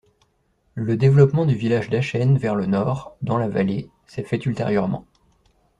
Le développement du village d'Achen vers le nord, dans la vallée, s'est faite ultérieurement.